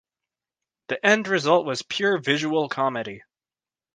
The end result was pure visual comedy.